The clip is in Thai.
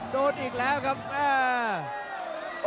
โดดอีกแล้วครับอ้าว